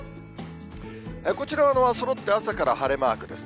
こちらはそろって朝から晴れマークですね。